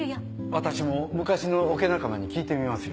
私も昔のオケ仲間に聞いてみますよ。